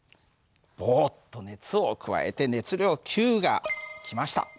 ボッと熱を加えて熱量Ｑが来ました。